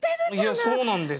いやそうなんです。